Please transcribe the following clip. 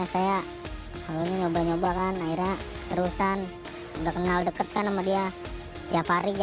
namun pengetahuan tersebut tidak menghalangi mereka untuk mencicipi narkoba